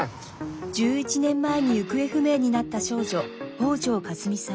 「１１年前に行方不明になった少女北條かすみさん。